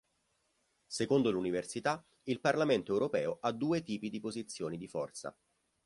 Secondo l'università il parlamento europeo ha due tipi di posizioni di forza.